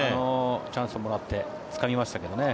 チャンスをもらってつかみましたよね。